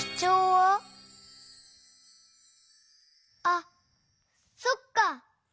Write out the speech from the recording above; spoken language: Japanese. あっそっか！